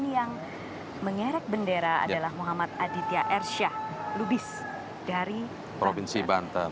yang selesai itu